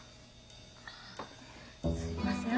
あっすいません。